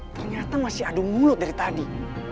ternyata masih adu mulut dari tadi